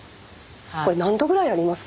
これ何度ぐらいありますか？